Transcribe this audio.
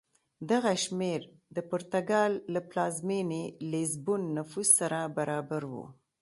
دغه شمېر د پرتګال له پلازمېنې لېزبون نفوس سره برابر و.